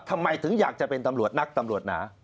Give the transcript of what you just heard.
ทำไมถึงอยากจะเป็นตำรวจนักตำรวจหนา